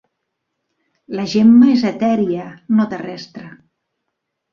La Gemma és etèria, no terrestre.